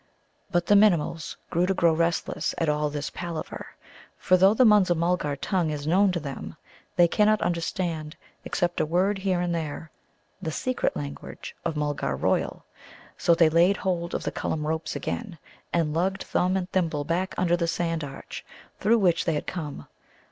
But the Minimuls began to grow restless at all this palaver, for, though the Munza mulgar tongue is known to them, they cannot understand, except a word here and there, the secret language of Mulgar royal. So they laid hold of the Cullum ropes again, and lugged Thumb and Thimble back under the sandy arch through which they had come.